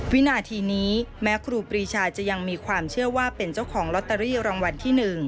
วินาทีนี้แม้ครูปรีชาจะยังมีความเชื่อว่าเป็นเจ้าของลอตเตอรี่รางวัลที่๑